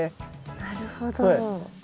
なるほど。